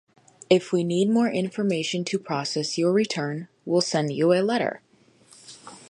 If we need more information to process your return, we'll send you a letter.